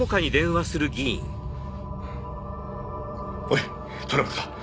おいトラブルだ。